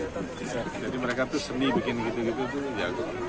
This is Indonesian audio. jadi mereka tuh seni bikin gitu gitu tuh jago